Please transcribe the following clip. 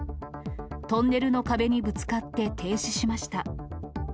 トンネルの壁にぶつかって停止しました。